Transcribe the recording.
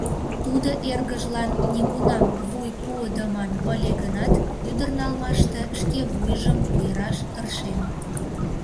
Тудо эргыжлан нигунам вуй пуыдыман ыле гынат, ӱдыр налмаште шке вуйжым ойыраш тыршен.